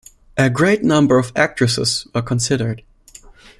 A great number of actresses were considered.